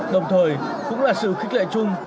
đồng thời cũng là sự khích lệ chung